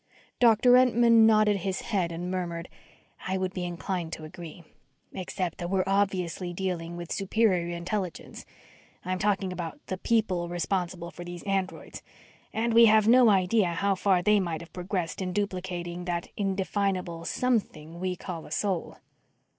Doctor Entman nodded his head and murmured, "I would be inclined to agree. Except that we're obviously dealing with superior intelligence I'm speaking about the "people" responsible for these androids and we have no idea how far they might have progressed in duplicating that indefinable something we call a soul."